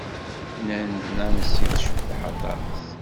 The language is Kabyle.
Nnan-d Nancy tecbeḥ aṭas.